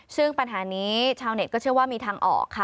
ซึ่งปัญหานี้ชาวเน็ตก็เชื่อว่ามีทางออกค่ะ